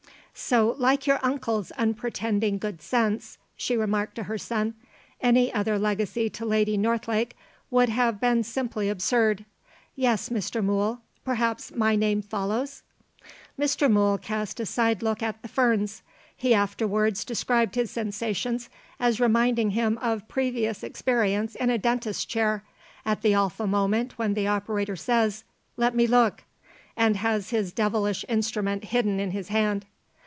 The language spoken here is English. "So like your uncle's unpretending good sense," she remarked to her son. "Any other legacy to Lady Northlake would have been simply absurd. Yes, Mr. Mool? Perhaps my name follows?" Mr. Mool cast a side look at the ferns. He afterwards described his sensations as reminding him of previous experience in a dentist's chair, at the awful moment when the operator says "Let me look," and has his devilish instrument hidden in his hand.